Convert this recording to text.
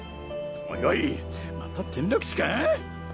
おいおいまた転落死か！？